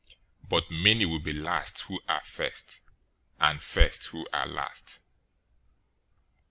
019:030 But many will be last who are first; and first who are last.